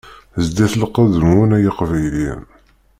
Zdit lqedd-nwen ay Iqbayliyen.